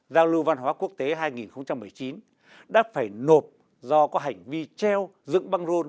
giao lưu văn hóa quốc tế hai nghìn một mươi chín đã phải nộp do có hành vi treo dựng băng rôn